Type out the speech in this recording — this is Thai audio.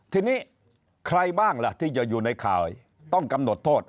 ทีนี้ใครบ้างล่ะที่จะอยู่ในข่ายต้องกำหนดโทษ